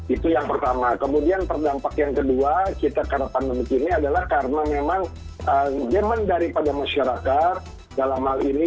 itu yang pertama kemudian terdampak yang kedua kita karena pandemik ini adalah karena memang jeman daripada masyarakat dalam hal ini